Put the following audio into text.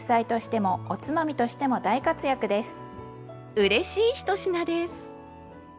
うれしい１品です。